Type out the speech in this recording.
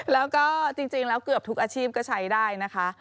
แล้วก็จริงแล้วเกือบทุกอาชีพก็ใช้ได้นะคะ